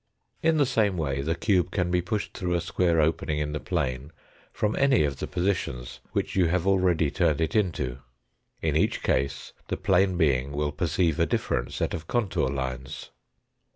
In the same way the cube can be pushed through a square opening in the plane from any of the positions which you have already turned it into. In each case the plane being will perceive a different set of contour lines.